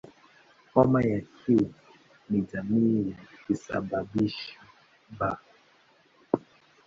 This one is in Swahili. Homa ya Q ni jamii ya kisababishi "B".